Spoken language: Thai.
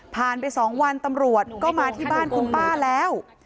ไป๒วันตำรวจก็มาที่บ้านคุณป้าแล้ว